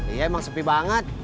iya emang sepi banget